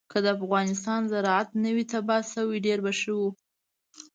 که د افغانستان زراعت نه وی تباه شوی ډېر به ښه وو.